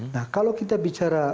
nah kalau kita bicara